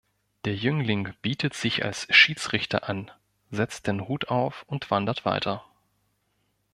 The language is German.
Der Jüngling bietet sich als Schiedsrichter an, setzt den Hut auf und wandert weiter.